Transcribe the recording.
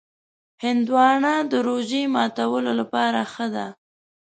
هندوانه د روژې ماتولو لپاره ښه ده.